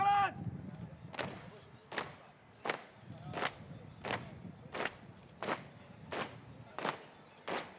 laporan komandan upacara kepada inspektur upacara